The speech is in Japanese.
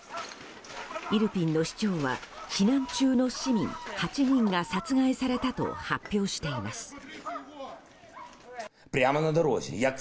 イルピンの市長は避難中の市民８人が殺害されたと発表しています。